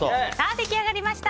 出来上がりました。